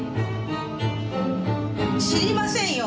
知りませんよ！